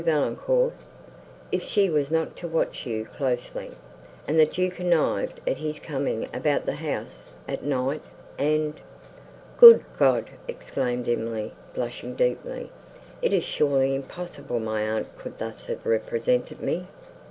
Valancourt, if she was not to watch you closely; and that you connived at his coming about the house at night, and—" "Good God!" exclaimed Emily, blushing deeply, "it is surely impossible my aunt could thus have represented me!"